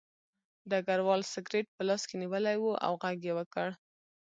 ډګروال سګرټ په لاس کې نیولی و او غږ یې وکړ